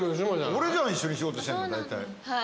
俺じゃん一緒に仕事してんのだいたい。